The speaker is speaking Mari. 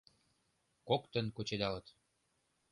Коктын кучедалыт